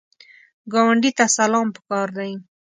ګاونډي ته سلام پکار دی